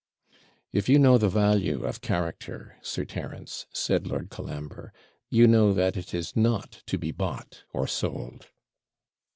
'If you know the value of character, Sir Terence,' said Lord Colambre, 'you know that it is not to be bought or sold.'